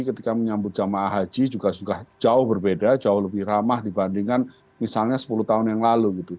ketika menyambut jemaah haji juga sudah jauh berbeda jauh lebih ramah dibandingkan misalnya sepuluh tahun yang lalu gitu